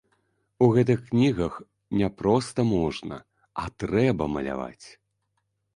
У гэтых кнігах не проста можна, а трэба маляваць.